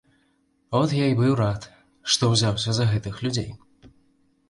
От я і быў рад, што ўзяўся за гэтых людзей.